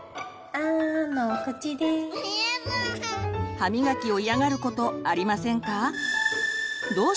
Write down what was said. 歯みがきを嫌がることありませんか？